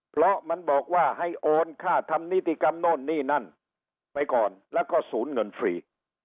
เพราะมันบอกว่าให้โอนค่าทำนิติกรรมโน่นนี่นั่นไปก่อนแล้วก็ศูนย์เงินฟรี